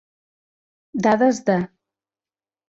Dades de.